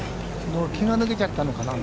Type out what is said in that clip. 気が抜けちゃったのかな。